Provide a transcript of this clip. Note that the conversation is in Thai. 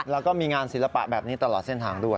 แล้วก็มีงานศิลปะแบบนี้ตลอดเส้นทางด้วย